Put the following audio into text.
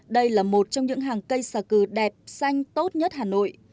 đây là một trong những hàng cây xà cừu đẹp xanh tốt nhất hà nội